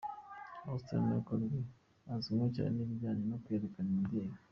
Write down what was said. Houston mu bikorwa azwimo cyane ni ibijyanye no kwerekana imideri.